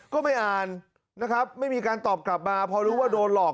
ก็ไม่อ่านนะครับไม่มีการตอบกลับมาพอรู้ว่าโดนหลอก